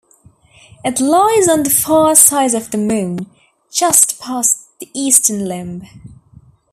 It lies on the far side of the Moon, just past the eastern limb.